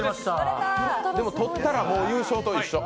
でもとったら優勝と一緒。